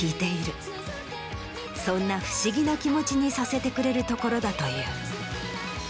そんな不思議な気持ちにさせてくれるところだという。